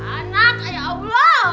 anak ya allah